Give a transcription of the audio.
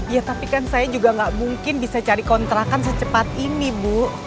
ya tapi kan saya juga nggak mungkin bisa cari kontrakan secepat ini bu